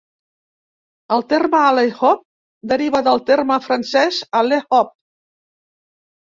El terme "alley-oop" deriva del terme francès "allez hop!"